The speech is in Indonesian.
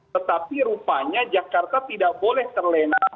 tetapi rupanya jakarta tidak boleh terlena